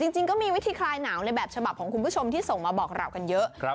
จริงก็มีวิธีคลายหนาวในแบบฉบับของคุณผู้ชมที่ส่งมาบอกเรากันเยอะ